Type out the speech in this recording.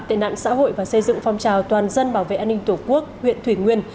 tệ nạn xã hội và xây dựng phong trào toàn dân bảo vệ an ninh tổ quốc huyện thủy nguyên